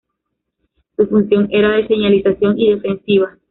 Su función era de señalización y defensiva.